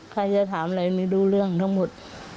ใครจะถามอะไรไม่รู้เรื่องทั้งหมด